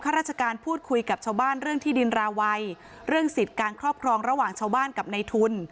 ราชการพูดคุยกับชาวบ้านเรื่องที่ดินราวัยเรื่องสิทธิ์การครอบครองระหว่างชาวบ้านกับในทุน